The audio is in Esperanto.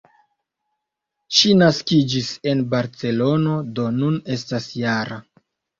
Ŝi naskiĝis en Barcelono, do nun estas -jara.